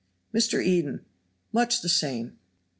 Mr. Eden. "Much the same." No.